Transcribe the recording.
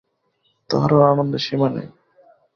তাহার আর আনন্দের সীমা নাই।